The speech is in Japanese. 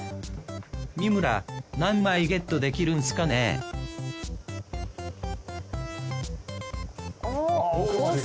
三村何枚ゲットできるんすかねああ！